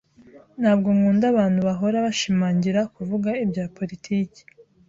Ntabwo nkunda abantu bahora bashimangira kuvuga ibya politiki.